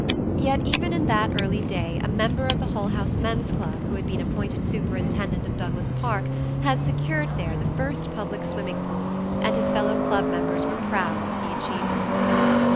Yet even in that early day a member of the Hull House Men's Club who had been appointed superintendent of Douglas Park had secured there the first public swimming pool, and his fellow club members were proud of the achievement.